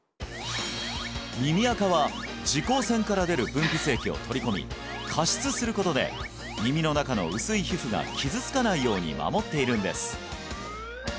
耳アカは耳垢腺から出る分泌液を取り込み加湿することで耳の中の薄い皮膚が傷つかないように守っているんです